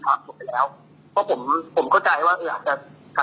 คือถ้าสมมุติคุณจ่ายค่าเท่าแค่